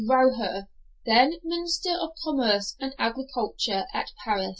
Rouher, then Minister of Commerce and Agriculture at Paris.